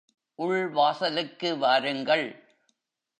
உள் வாசலுக்கு வாருங்கள்.